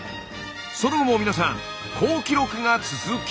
その後も皆さん好記録が続き。